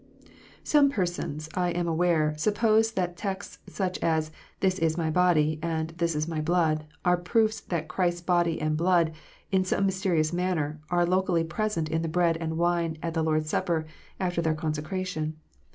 Some persons, I am aware, suppose that such texts as " This is My body," and "This is My blood," are proofs that Christ s body and blood, in some mysterious manner, are locally present in the bread and wine at the Lord s Supper, after their conse cration.